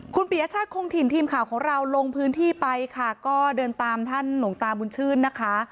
คุณปียชาติคงถิ่นทีมข่าวของเราลงพื้นที่ไปค่ะก็เดินตามท่านหลวงตาบุญชื่นนะคะ